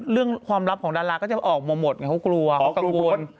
เรื่องความลับของดาราก็จะออกมาหมดไงเขากลัวเขากังวล